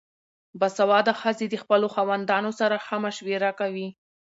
باسواده ښځې د خپلو خاوندانو سره ښه مشوره کوي.